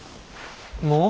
もう？